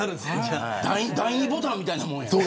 第２ボタンみたいなもんや。